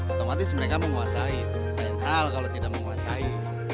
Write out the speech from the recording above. otomatis mereka menguasai lain hal kalau tidak menguasai